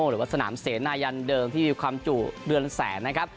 หรือว่าสนามเสนายันเดิมที่มีความจุเดือนแสนนะครับ